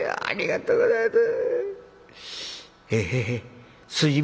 ありがとうございます！